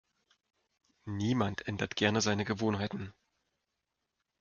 Niemand ändert gerne seine Gewohnheiten.